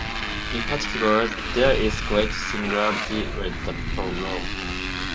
In particular, there is great similarity with the prologue.